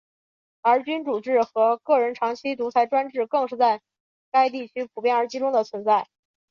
而君主制和个人长期独裁专制更是在该地区普遍而集中地存在。